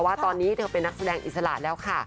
ว่าตอนนี้เธอเป็นนักแสดงอิสระแล้วค่ะ